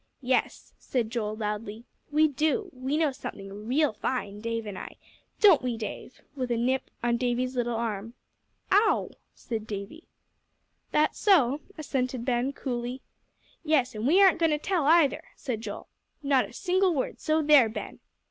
"Yes," said Joel, loudly, "we do; we know something real fine, Dave and I. Don't we, Dave?" with a nip on Davie's little arm. "Ow!" said Davie. "That so?" assented Ben, coolly. "Yes, and we aren't goin' to tell, either," said Joel, "not a single word; so there, Ben!"